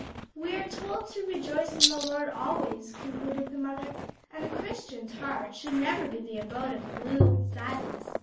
"We are told to 'rejoice in the Lord always,'" concluded the mother, "and a Christian's heart should never be the abode of gloom and sadness."